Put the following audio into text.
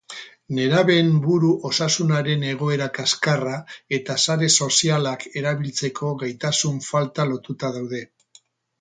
Nerabeen buru osasunaren egoera kaskarra eta sare sozialak erabiltzeko gaitasun falta lotuta daude.